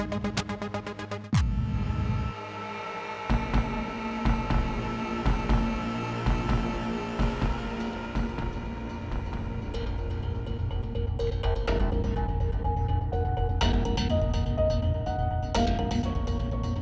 yes menurut apa pendek endang ma